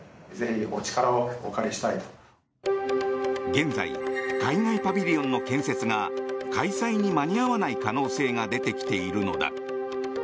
現在、海外パビリオンの建設が開催に間に合わない可能性が出てきているのだ。